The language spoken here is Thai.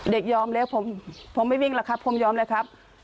เด็กยอมแล้วผมไม่วิ่งแล้วครับผมยอมเลยครับ